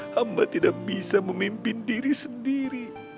hamba tidak bisa memimpin diri sendiri